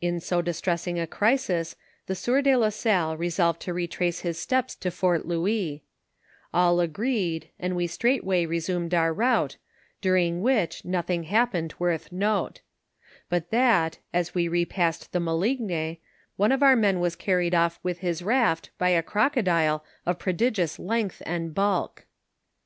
In so distressing a crisis the sieur de la Salle re solved to retrace his steps to Fort Louis ; all agreed and we straightway resumed our route, during which nothing hap pened worth note ; but that, as we repassed the Maligne, one of our men was carried off with his raft by a crocodile of prodigious length and bulk.